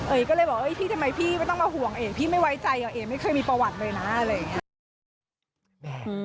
ก็เลยบอกเอ้ยพี่ทำไมพี่ไม่ต้องมาห่วงเอกพี่ไม่ไว้ใจอ่ะเอ๋ไม่เคยมีประวัติเลยนะอะไรอย่างนี้